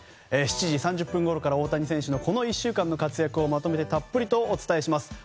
７時３０分ごろから大谷選手のこの１週間の活躍をまとめてたっぷりとお伝えします。